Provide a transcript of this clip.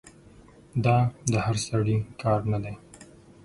دا د هر سړي کار نه دی.